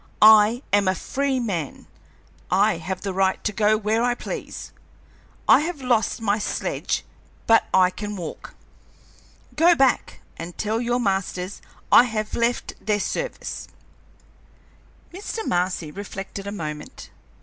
I am a free man! I have a right to go where I please. I have lost my sledge, but I can walk. Go back and tell your masters I have left their service." Mr. Marcy reflected a moment.